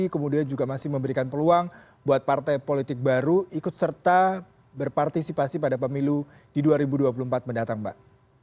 kemudian juga masih memberikan peluang buat partai politik baru ikut serta berpartisipasi pada pemilu di dua ribu dua puluh empat mendatang mbak